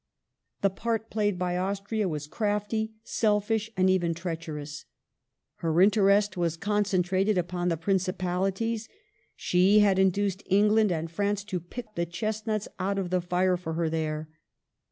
The part played by Austria was crafty, selfish, and even treacherous. Her interest was concentrated upon the Principalities. She had induced England and France to pick the chestnuts out of the fire for her there.